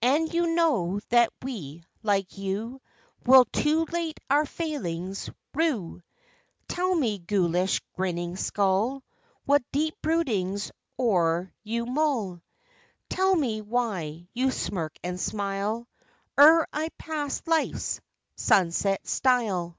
And you know that we, like you, Will too late our failings rue? Tell me, ghoulish, grinning skull What deep broodings, o'er you mull? Tell me why you smirk and smile Ere I pass life's sunset stile.